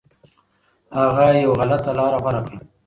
هغه یو غلطه لاره غوره کړه.